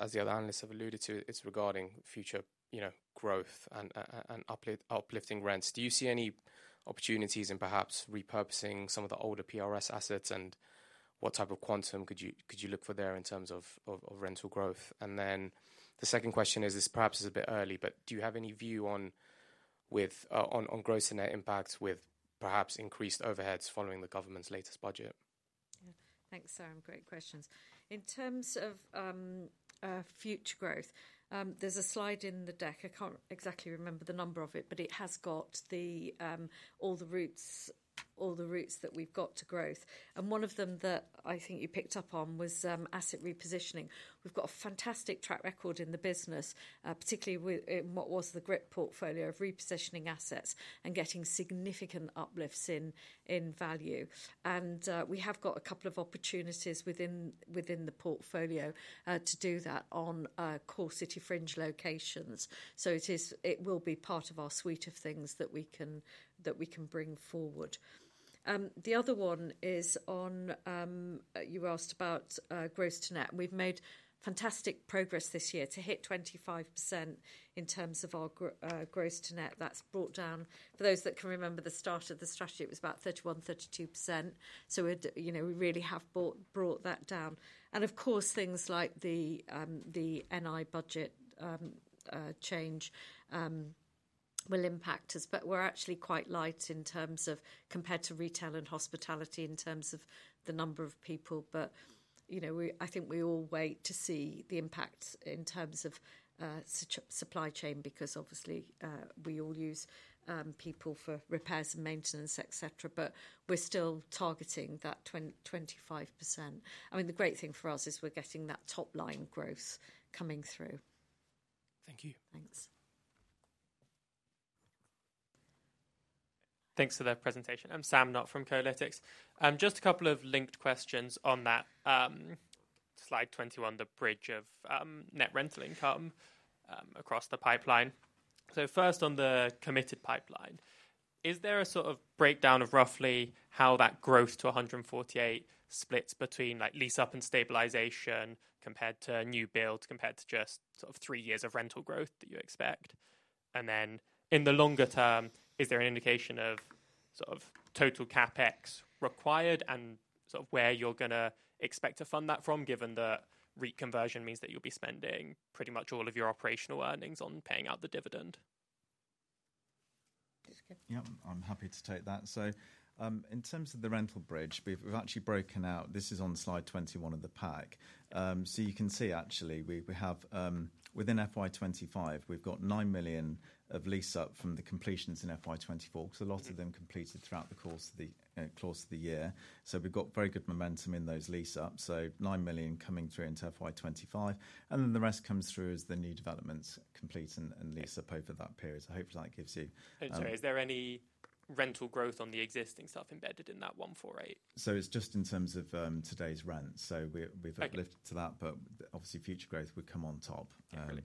as the other analysts have alluded to, it's regarding future growth and uplifting rents. Do you see any opportunities in perhaps repurposing some of the older PRS assets and what type of quantum could you look for there in terms of rental growth? And then the second question is, this perhaps is a bit early, but do you have any view on growth and impact with perhaps increased overheads following the government's latest budget? Thanks, Saurabh. Great questions. In terms of future growth, there's a slide in the deck. I can't exactly remember the number of it, but it has got all the routes that we've got to growth, and one of them that I think you picked up on was asset repositioning. We've got a fantastic track record in the business, particularly in what was the GRIP portfolio of repositioning assets and getting significant uplifts in value, and we have got a couple of opportunities within the portfolio to do that on core city fringe locations, so it will be part of our suite of things that we can bring forward. The other one is the one you asked about gearing to net. We've made fantastic progress this year to hit 25% in terms of our gearing to net. That's brought down, for those that can remember the start of the strategy, it was about 31%-32%, so we really have brought that down, and of course, things like the NI budget change will impact us, but we're actually quite light in terms of compared to retail and hospitality in terms of the number of people. But I think we all wait to see the impacts in terms of supply chain because obviously we all use people for repairs and maintenance, etc. But we're still targeting that 25%. I mean, the great thing for us is we're getting that top-line growth coming through. Thank you. Thanks. Thanks for that presentation. I'm Sam Knott from Columbia Threadneedle Investments. Just a couple of linked questions on that slide 21, the bridge of net rental income across the pipeline. So first, on the committed pipeline, is there a sort of breakdown of roughly how that growth to 148 splits between lease-up and stabilization compared to new builds, compared to just sort of three years of rental growth that you expect? And then in the longer term, is there an indication of sort of total CapEx required and sort of where you're going to expect to fund that from, given that reconversion means that you'll be spending pretty much all of your operational earnings on paying out the dividend? Yep, I'm happy to take that. So in terms of the rental bridge, we've actually broken out. This is on slide 21 of the pack. So you can see actually we have within FY25, we've got nine million of lease-up from the completions in FY24 because a lot of them completed throughout the course of the year. So we've got very good momentum in those lease-ups. So nine million coming through into FY25. And then the rest comes through as the new developments complete and lease-up over that period. So hopefully that gives you. Is there any rental growth on the existing stuff embedded in that 148? So it's just in terms of today's rent. So we've uplifted to that, but obviously future growth would come on top.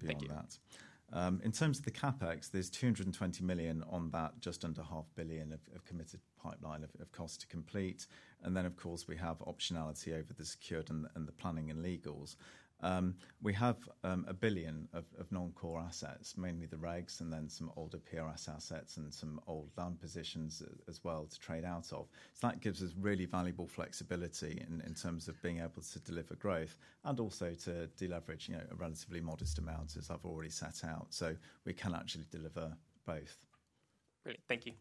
Thank you. In terms of the CapEx, there's 220 million on that, just under 500,000 of committed pipeline of cost to complete. And then of course we have optionality over the secured and the planning and legals. We have 1 billion of non-core assets, mainly the regs and then some older PRS assets and some old land positions as well to trade out of. So that gives us really valuable flexibility in terms of being able to deliver growth and also to deleverage a relatively modest amount as I've already set out. So we can actually deliver both. Great. Thank you.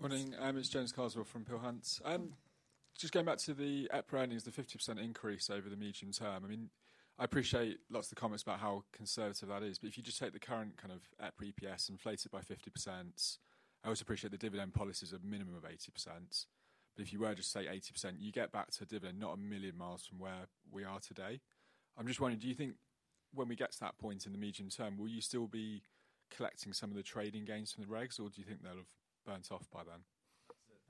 Morning. I'm James Carswell from Peel Hunt. Just going back to the EPRA earnings, the 50% increase over the medium term. I mean, I appreciate lots of the comments about how conservative that is. But if you just take the current kind of EPRA EPS, inflate it by 50%. I also appreciate the dividend policies are a minimum of 80%. But if you were to say 80%, you get back to a dividend not a million miles from where we are today. I'm just wondering, do you think when we get to that point in the medium term, will you still be collecting some of the trading gains from the regs, or do you think they'll have burnt off by then?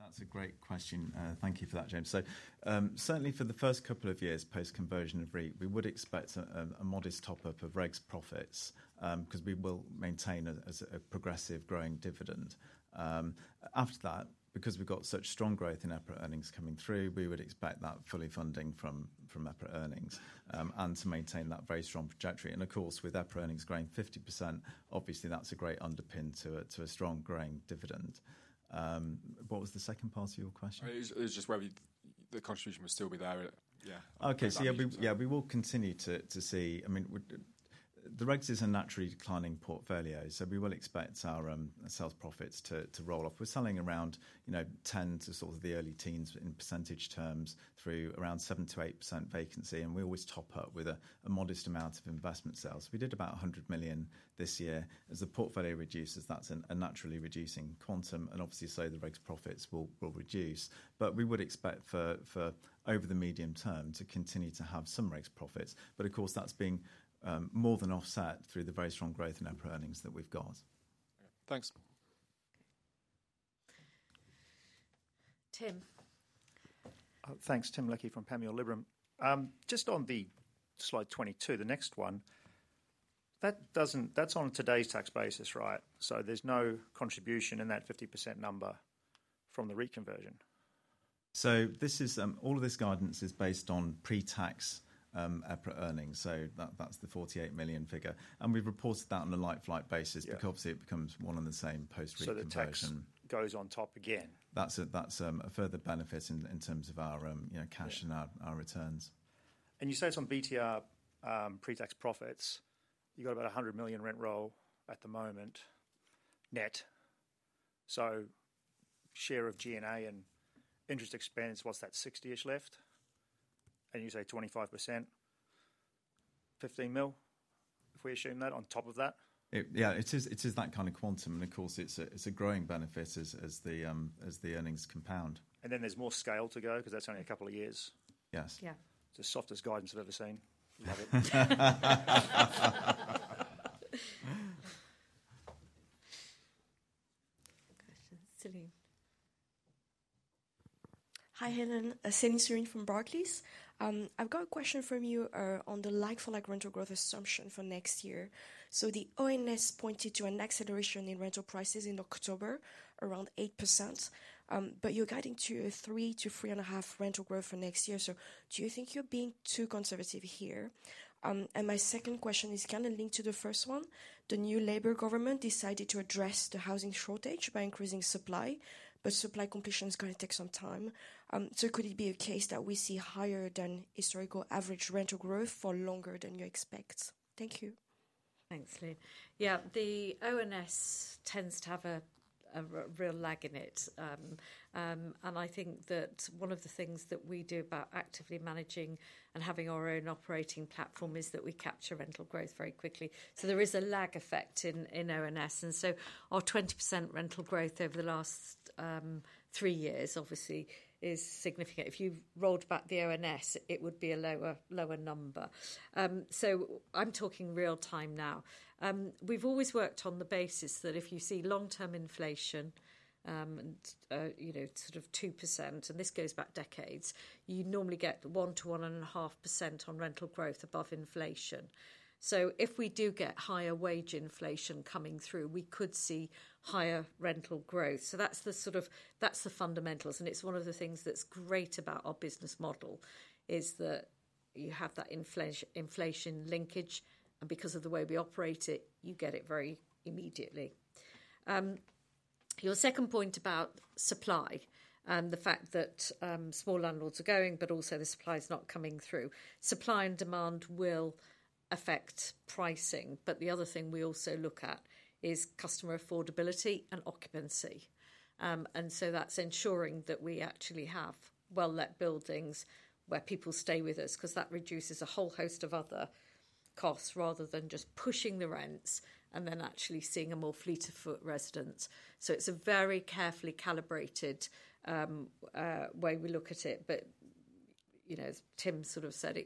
That's a great question. Thank you for that, James. So certainly for the first couple of years post-conversion of REIT, we would expect a modest top-up of regs profits because we will maintain a progressive growing dividend. After that, because we've got such strong growth in EPRA earnings coming through, we would expect that fully funding from EPRA earnings and to maintain that very strong trajectory. And of course, with EPRA earnings growing 50%, obviously that's a great underpin to a strong growing dividend. What was the second part of your question? It was just where the contribution would still be there. Yeah. Okay. So yeah, we will continue to see, I mean, the regs is a naturally declining portfolio, so we will expect our sales profits to roll off. We're selling around 10 to sort of the early teens in percentage terms through around 7%-8% vacancy. And we always top up with a modest amount of investment sales. We did about 100 million this year. As the portfolio reduces, that's a naturally reducing quantum. And obviously, so the regs profits will reduce. But we would expect for over the medium term to continue to have some regs profits. But of course, that's being more than offset through the very strong growth in EPRA earnings that we've got. Thanks. Tim. Thanks, Tim Leckie from Panmure Liberum. Just on the slide 22, the next one, that's on today's tax basis, right? So there's no contribution in that 50% number from the reconversion. So all of this guidance is based on pre-tax EPRA earnings. So that's the 48 million figure. And we've reported that on a like-for-like basis because obviously it becomes one and the same post-reconversion. So the tax goes on top again. That's a further benefit in terms of our cash and our returns. And you say it's on BTR pre-tax profits. You've got about 100 million rent roll at the moment net. So share of G&A and interest expense, what's that, 60-ish left? And you say 25%, 15 million, if we assume that on top of that? Yeah, it is that kind of quantum. And of course, it's a growing benefit as the earnings compound. And then there's more scale to go because that's only a couple of years. Yes. It's the softest guidance I've ever seen. Love it. Hi, Helen, Celine Stein from Barclays. I've got a question from you on the like-for-like rental growth assumption for next year. So the ONS pointed to an acceleration in rental prices in October, around 8%. But you're guiding to a 3%-3.5% rental growth for next year. Do you think you're being too conservative here? And my second question is kind of linked to the first one. The new Labour government decided to address the housing shortage by increasing supply, but supply completion is going to take some time. So could it be a case that we see higher than historical average rental growth for longer than you expect? Thank you. Thanks, Lee. Yeah, the ONS tends to have a real lag in it. And I think that one of the things that we do about actively managing and having our own operating platform is that we capture rental growth very quickly. So there is a lag effect in ONS. And so our 20% rental growth over the last three years, obviously, is significant. If you rolled back the ONS, it would be a lower number. So I'm talking real time now. We've always worked on the basis that if you see long-term inflation and sort of 2%, and this goes back decades, you normally get 1-1.5% on rental growth above inflation. So if we do get higher wage inflation coming through, we could see higher rental growth. So that's the sort of, that's the fundamentals. And it's one of the things that's great about our business model is that you have that inflation linkage. And because of the way we operate it, you get it very immediately. Your second point about supply and the fact that small landlords are going, but also the supply is not coming through. Supply and demand will affect pricing. But the other thing we also look at is customer affordability and occupancy. And so that's ensuring that we actually have well-let buildings where people stay with us because that reduces a whole host of other costs rather than just pushing the rents and then actually seeing a more flight of residents. So it's a very carefully calibrated way we look at it. But as Tim sort of said,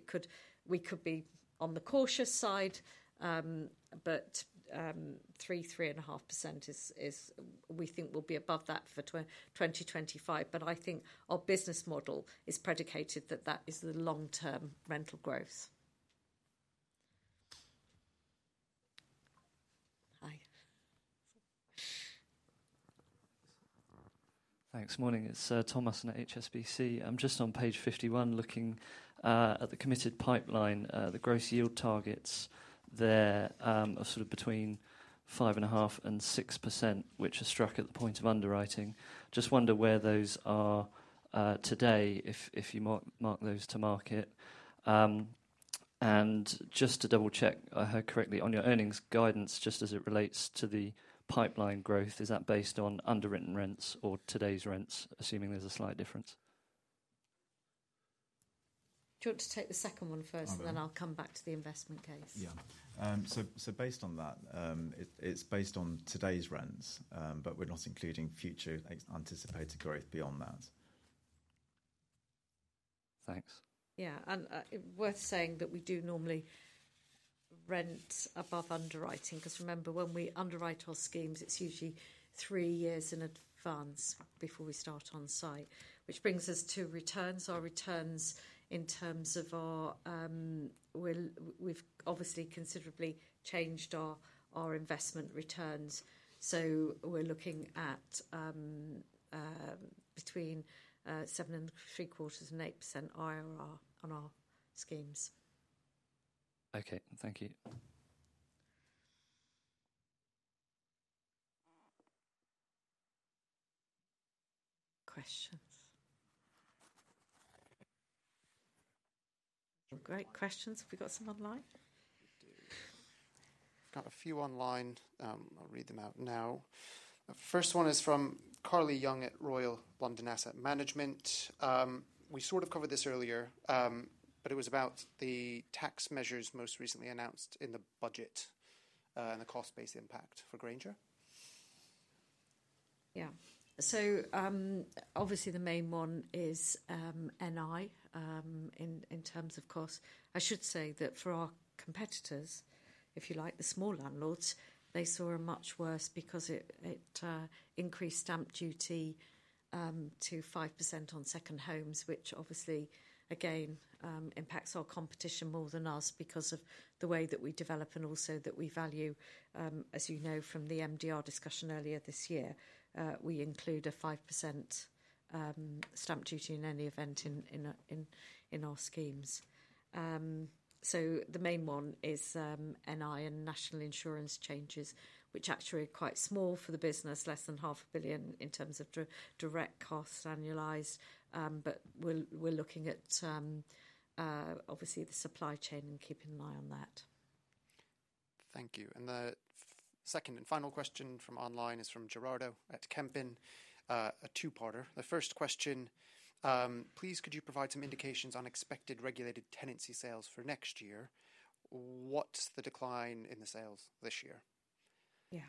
we could be on the cautious side, but 3%-3.5% is we think we'll be above that for 2025. But I think our business model is predicated that that is the long-term rental growth. Thanks. Morning. It's Thomas at HSBC. I'm just on page 51 looking at the committed pipeline, the gross yield targets there are sort of between 5.5%-6%, which are struck at the point of underwriting. Just wonder where those are today if you mark those to market. Just to double-check, I heard correctly, on your earnings guidance, just as it relates to the pipeline growth, is that based on underwritten rents or today's rents, assuming there's a slight difference? Do you want to take the second one first, and then I'll come back to the investment case? Yeah. Based on that, it's based on today's rents, but we're not including future anticipated growth beyond that. Thanks. Yeah. And worth saying that we do normally rent above underwriting because remember, when we underwrite our schemes, it's usually three years in advance before we start on-site, which brings us to returns. Our returns in terms of, we've obviously considerably changed our investment returns. We're looking at between 7 and three quarters and 8% IRR on our schemes. Okay. Thank you. Questions. Great questions. Have we got some online? We do. Got a few online. I'll read them out now. First one is from Carly Young at Royal London Asset Management. We sort of covered this earlier, but it was about the tax measures most recently announced in the budget and the cost-based impact for Grainger. Yeah. So obviously the main one is NI in terms of cost. I should say that for our competitors, if you like, the small landlords, they saw a much worse because it increased stamp duty to 5% on second homes, which obviously, again, impacts our competition more than us because of the way that we develop and also that we value, as you know from the MDR discussion earlier this year, we include a 5% stamp duty in any event in our schemes. So the main one is NI and National Insurance changes, which actually are quite small for the business, less than 500 million in terms of direct costs annualized. But we're looking at obviously the supply chain and keeping an eye on that. Thank you. And the second and final question from online is from Gerardo at Kempen, a two-parter. The first question, please, could you provide some indications on expected regulated tenancy sales for next year? What's the decline in the sales this year? Yeah.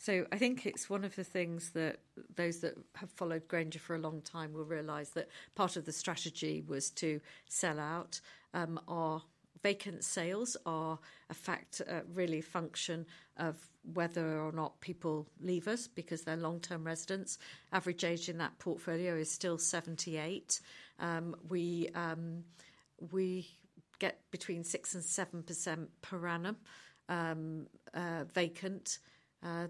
So I think it's one of the things that those that have followed Grainger for a long time will realize that part of the strategy was to sell out. Our vacant sales are a fact, really a function of whether or not people leave us because they're long-term residents. Average age in that portfolio is still 78. We get between 6%-7% per annum vacant.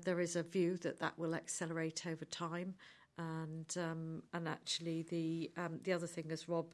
There is a view that that will accelerate over time, and actually, the other thing as Rob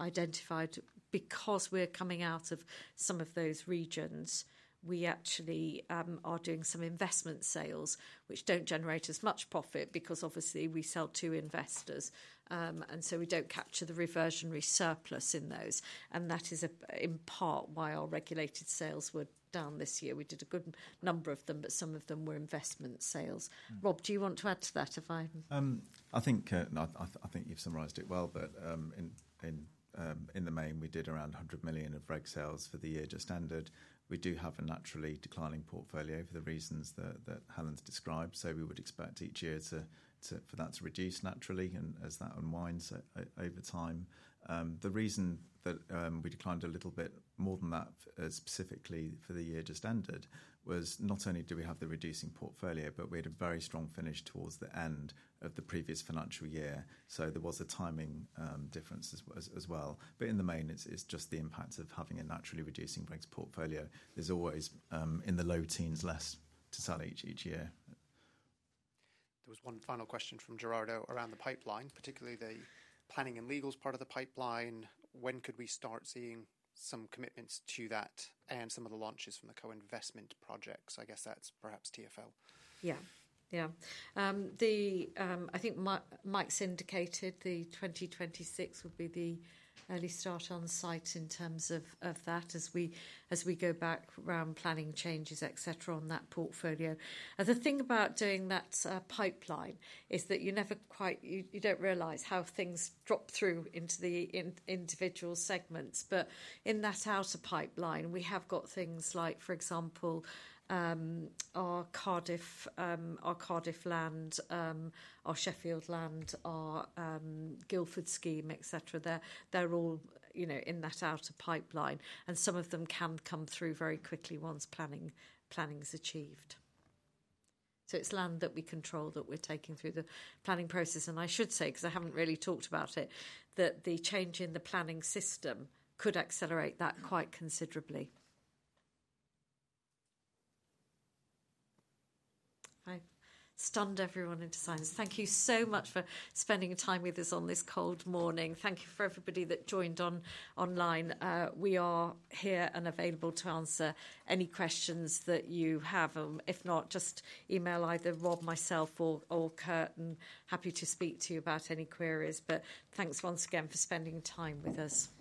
identified, because we're coming out of some of those regions, we actually are doing some investment sales, which don't generate as much profit because obviously we sell to investors, and so we don't capture the reversionary surplus in those, and that is in part why our regulated sales were down this year. We did a good number of them, but some of them were investment sales. Rob, do you want to add to that? I think you've summarized it well, but in the main, we did around 100 million of reg sales for the year to September. We do have a naturally declining portfolio for the reasons that Helen's described. So we would expect each year for that to reduce naturally as that unwinds over time. The reason that we declined a little bit more than that specifically for the year to September was not only do we have the reducing portfolio, but we had a very strong finish towards the end of the previous financial year. So there was a timing difference as well. But in the main, it's just the impact of having a naturally reducing Regs portfolio. There's always in the low teens less to sell each year. There was one final question from Gerardo around the pipeline, particularly the planning and legals part of the pipeline. When could we start seeing some commitments to that and some of the launches from the co-investment projects? I guess that's perhaps TfL. Yeah. Yeah. I think Mike's indicated the 2026 would be the early start on-site in terms of that as we go back around planning changes, etc., on that portfolio. The thing about doing that pipeline is that you never quite you don't realize how things drop through into the individual segments, but in that outer pipeline, we have got things like, for example, our Cardiff land, our Sheffield land, our Guildford scheme, etc. They're all in that outer pipeline, and some of them can come through very quickly once planning is achieved. So it's land that we control that we're taking through the planning process, and I should say, because I haven't really talked about it, that the change in the planning system could accelerate that quite considerably. I've stunned everyone into silence. Thank you so much for spending time with us on this cold morning. Thank you for everybody that joined online. We are here and available to answer any questions that you have. If not, just email either Rob, myself, or Kurt, and happy to speak to you about any queries. But thanks once again for spending time with us.